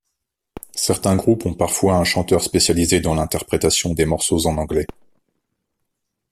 Certains groupes ont parfois un chanteur spécialisé dans l'interprétation des morceaux en anglais.